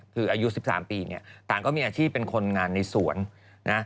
คืออายุ๑๓ปีเนี่ยต่างก็มีอาชีพเป็นคนงานในสวนนะ